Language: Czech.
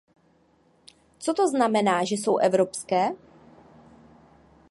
Co to znamená, že jsou evropské?